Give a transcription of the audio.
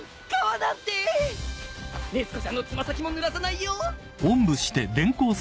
禰豆子ちゃんの爪先もぬらさないよ！